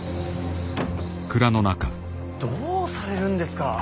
どうされるんですか。